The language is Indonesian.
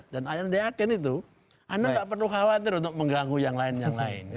dan anda yakin itu anda gak perlu khawatir untuk mengganggu yang lain lain